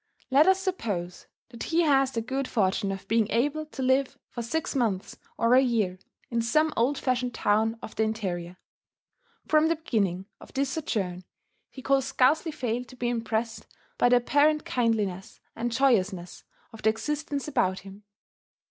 Let us suppose that he has the good fortune of being able to live for six months or a year in some old fashioned town of the interior. From the beginning of this sojourn he can scarcely fail to be impressed by the apparent kindliness and joyousness of the existence about him.